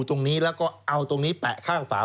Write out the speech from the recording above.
ตรงนี้แล้วก็เอาตรงนี้แปะข้างฝา